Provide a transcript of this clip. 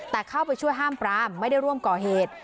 แต่เข้าไปช่วยห้ามปรามไม่ได้ร่วมก่อเหตุ